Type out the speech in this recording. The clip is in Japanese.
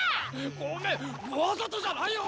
ごめんわざとじゃないよ！